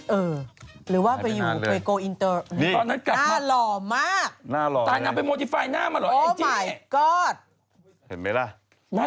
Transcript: เออหรือว่าไปอยู่ก็อินเตอร์นี่